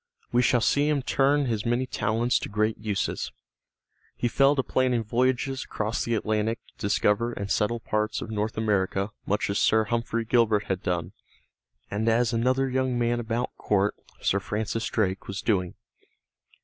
We shall see him turn his many talents to great uses. He fell to planning voyages across the Atlantic to discover and settle parts of North America much as Sir Humphrey Gilbert had done, and as another young man about court, Sir Francis Drake, was doing.